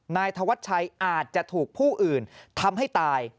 นายธวัชชัยอาจจะถูกผู้อื่นทำให้ตาย